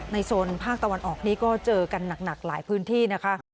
โซนภาคตะวันออกนี้ก็เจอกันหนักหลายพื้นที่นะคะ